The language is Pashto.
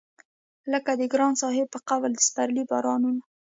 لکه د ګران صاحب په قول د سپرلي بارانونه